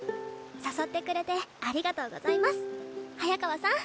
誘ってくれてありがとうございます早川さん。